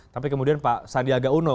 tapi kemudian pak sandiaga uno